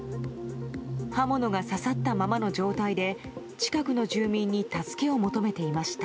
刃物が刺さったままの状態で近くの住民に助けを求めていました。